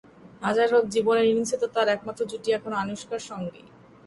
হাজার হোক, জীবনের ইনিংসে তো তাঁর একমাত্র জুটি এখন আনুশকার সঙ্গেই।